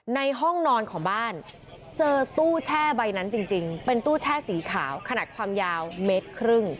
ในห้องนอนของบ้านเจอตู้แช่ใบนั้นจริงเป็นตู้แช่สีขาวขนาดความยาวเมตรครึ่ง